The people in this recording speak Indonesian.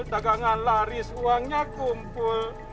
dagangan laris uangnya kumpul